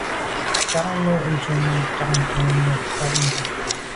Tshana mo’ nshun Njantùn to’ netshabt’é.